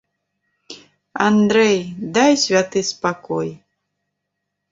Андрэй, дай святы спакой.